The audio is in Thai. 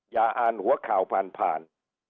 อย่าอ่านหัวข่าวผ่านผ่าน